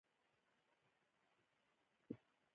د ارغوان میلې ډېرې مشهورې دي.